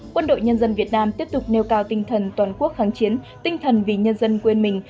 quân đội nhân dân việt nam tiếp tục nêu cao tinh thần toàn quốc kháng chiến tinh thần vì nhân dân quên mình